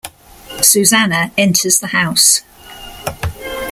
Susanna enters the house.